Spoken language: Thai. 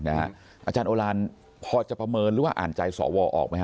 อาจารย์โอลานพอจะประเมินหรือว่าอ่านใจสวออกไหมฮ